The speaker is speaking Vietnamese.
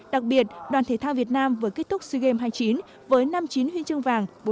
đặc biệt đoàn thể thao việt nam vừa kết thúc sea games hai mươi chín với năm mươi chín huy chương vàng